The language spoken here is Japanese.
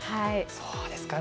そうですか。